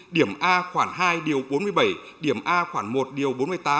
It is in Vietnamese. điểm a khoảng hai điều bốn mươi bảy điểm a khoảng một điều bốn mươi tám